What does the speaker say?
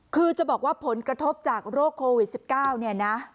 คือจะบอกว่าผลกระทบจากโรคโควิด๑๙เนี่ยนะ